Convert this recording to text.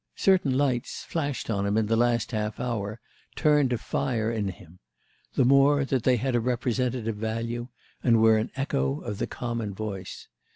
Certain lights flashed on him in the last half hour turned to fire in him; the more that they had a representative value and were an echo of the common voice.